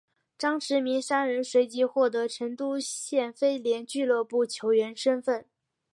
张池明三人随即获得成都谢菲联俱乐部球员身份。